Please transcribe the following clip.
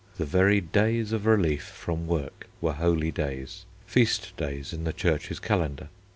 The very days of relief from work were holy days, feast days in the Church's calendar.